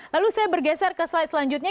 lalu saya bergeser ke slide selanjutnya